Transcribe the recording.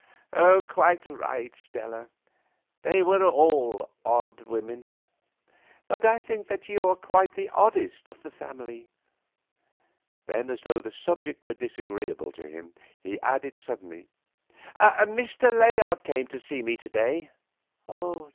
"Quite right, Stella; they were all odd women, but I think that you are quite the oddest of the family." Then, as though the subject were disagreeable to him, he added suddenly: "Mr. Layard came to see me to day."